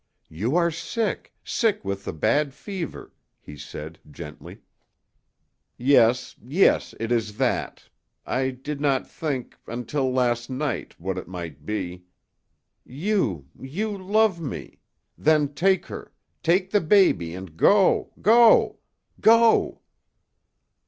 "You are sick sick with the bad fever," he said, gently. "Yes yes, it is that. I did not think until last night what it might be. You you love me! Then take her take the baby and go go go!"